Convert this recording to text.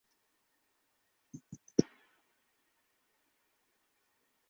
আলিয়া ভাট-সিদ্ধার্থ মালহোত্রার সেই দেখা-সাক্ষাৎ প্রেমের গুঞ্জনে রূপ নিতে সময় নেয়নি।